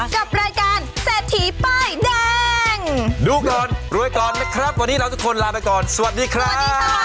ขอบคุณมากครับขอบคุณครับ